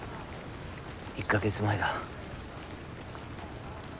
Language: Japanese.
１か月前だ。